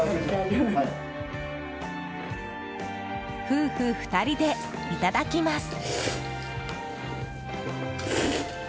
夫婦２人でいただきます。